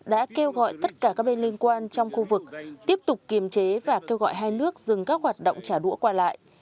đã kêu gọi tất cả các bên liên quan trong khu vực tiếp tục kiềm chế và kêu gọi hai nước dừng các hoạt động trả đũa qua lại